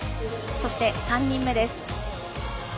そして、３人目です。